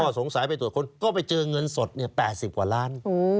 สงสัยไปตรวจค้นก็ไปเจอเงินสด๘๐กว่าล้าน